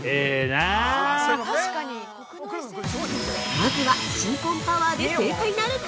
◆まずは、新婚パワーで正解なるか？